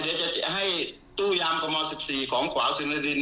เดี๋ยวจะให้ตู้ยามกระม่อ๑๔ของขวาวสินธรรมดิน